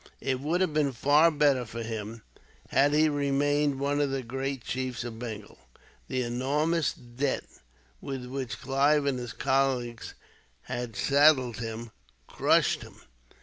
It would have been far better for him, had he remained one of the great chiefs of Bengal. The enormous debt, with which Clive and his colleagues had saddled him, crushed him.